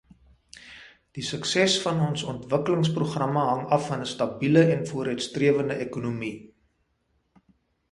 Die sukses van ons ontwikkelingsprogramme hang af van 'n stabiele en vooruitstrewende ekonomie.